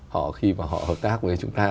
họ khi mà họ hợp tác với chúng ta